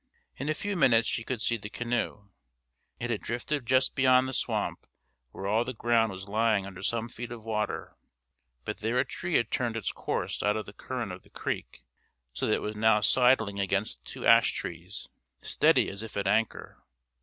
In a few minutes she could see the canoe. It had drifted just beyond the swamp, where all the ground was lying under some feet of water; but there a tree had turned its course out of the current of the creek, so that it was now sidling against two ash trees, steady as if at anchor.